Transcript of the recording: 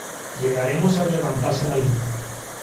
llegaremos al levantarse la luna .